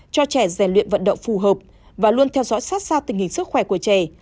cho trẻ rèn luyện vận động phù hợp và luôn theo dõi sát sao tình hình sức khỏe của trẻ